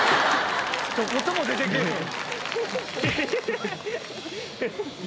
ひと言も出てけぇへん。